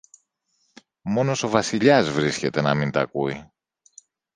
Μόνος ο Βασιλιάς βρίσκεται να μην τ' ακούει